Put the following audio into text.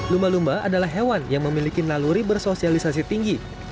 lumba lumba adalah hewan yang memiliki naluri bersosialisasi tinggi